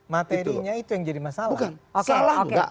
materinya itu yang jadi masalah